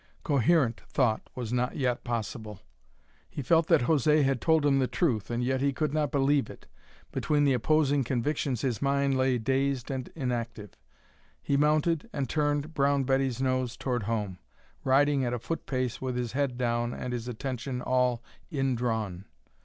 Coherent thought was not yet possible. He felt that José had told him the truth, and yet he could not believe it; between the opposing convictions his mind lay dazed and inactive. He mounted and turned Brown Betty's nose toward home, riding at a foot pace with his head down and his attention all indrawn.